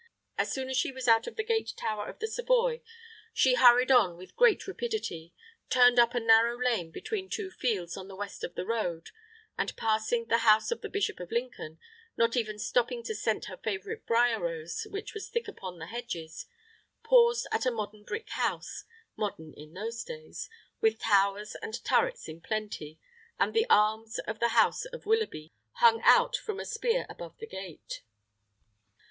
As soon as she was out of the gate tower of the Savoy, she hurried on with great rapidity, turned up a narrow lane between two fields on the west of the road, and, passing the house of the Bishop of Lincoln, not even stopping to scent her favorite briar rose which was thick upon the hedges, paused at a modern brick house modern in those days with towers and turrets in plenty, and the arms of the house of Willoughby hung out from a spear above the gate.